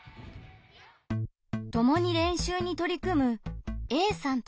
ともに練習に取り組むＡさんとＢさん。